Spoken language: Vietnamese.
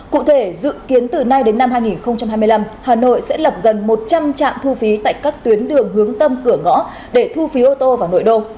cụ thể dự kiến từ nay đến năm hai nghìn hai mươi năm hà nội sẽ lập gần một trăm linh trạm thu phí tại các tuyến đường hướng tâm cửa ngõ để thu phí ô tô vào nội đô